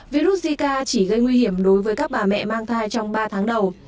virus zika chỉ gây nguy hiểm đối với các bà mẹ mang thai trong ba tháng đầu